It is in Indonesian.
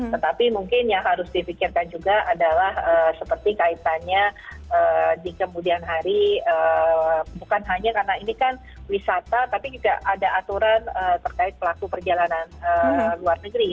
tetapi mungkin yang harus dipikirkan juga adalah seperti kaitannya di kemudian hari bukan hanya karena ini kan wisata tapi juga ada aturan terkait pelaku perjalanan luar negeri